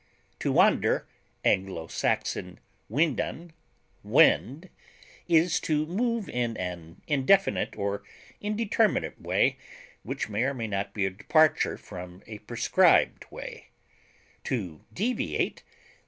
To wander (AS. windan, wind) is to move in an indefinite or indeterminate way which may or may not be a departure from a prescribed way; to deviate (L.